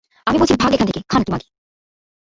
আমি বলছি ভাগ এখান থেকে, খানকি মাগী!